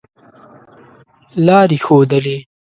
لاري ښودلې.